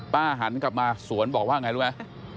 ป้าหันกลับมาสวนบอกว่าไงรู้มั้ย